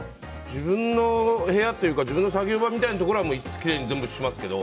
自分の部屋というか自分の作業場みたいなところはきれいに全部してますけど。